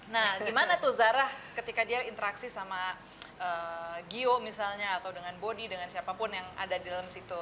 nah gimana tuh zarah ketika dia interaksi sama gio misalnya atau dengan bodi dengan siapapun yang ada di dalam situ